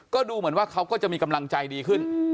ก็ดูเหมือนว่าเขาก็จะมีกำลังใจดีขึ้น